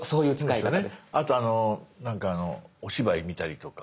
あとお芝居見たりとか。